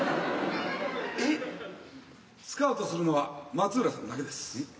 えっ？スカウトするのは松浦さんだけです。